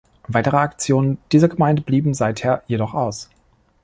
Weitere Aktionen dieser Gemeinden blieben seither jedoch aus.